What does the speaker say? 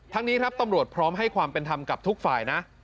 นี้ครับตำรวจพร้อมให้ความเป็นธรรมกับทุกฝ่ายนะ